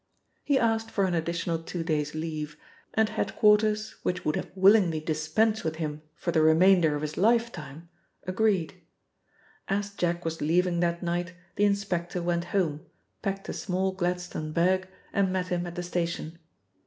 He asked for an additional two days' leave, and head quarters, which would have willingly dispensed with him for the remainder of his lifetime, agreed. As Jack was leaving that night the inspector went home, packed a small Gladstone bag, and met him at the station.